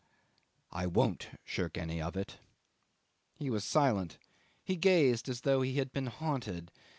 . I won't shirk any of it." He was silent. He gazed as though he had been haunted.